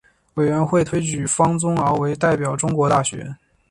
委员会推举方宗鳌为代表中国大学。